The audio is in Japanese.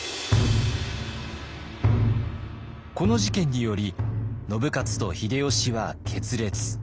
この事件により信雄と秀吉は決裂。